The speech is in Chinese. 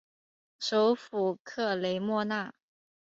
首府克雷莫纳。